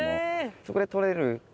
そこでとれる。